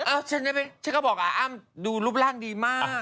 ฉันก็บอกกับอ้ำดูรูปร่างดีมาก